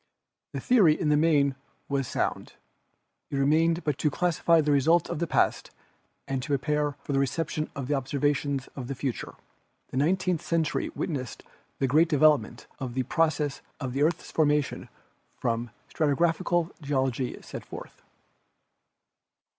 The theory in the main was sound; it remained but to classify the results of the past and to prepare for the reception of the observations of the future. The nine teenth century witnessed the great development of the processes of the earth's formation which stratigraphical geology sets forth.